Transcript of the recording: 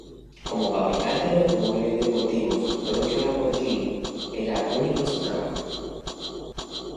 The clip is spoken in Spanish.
Como fabricante de automóviles deportivos, Ferruccio Lamborghini era único en su trabajo.